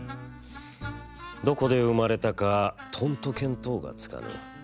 どこで生まれたかとんと見当がつかぬ。